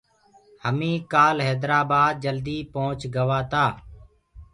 همينٚ ڪآل حيدرآبآد جلدي پنٚوهچ گوآ تآ۔